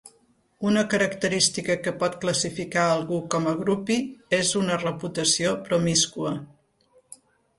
Una característica que pot classificar algú com a groupie és una reputació promíscua.